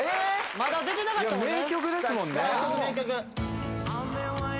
まだ出てなかったもんね